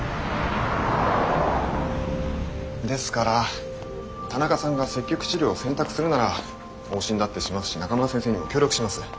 ですから田中さんが積極治療を選択するなら往診だってしますし中村先生にも協力します。